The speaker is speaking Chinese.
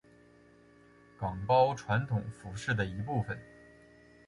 岗包传统服饰的一部分。